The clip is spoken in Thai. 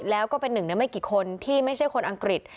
แล้วก็เป็นหนึ่งในไม่กี่คนที่ไม่ใช่คนอังกฤษ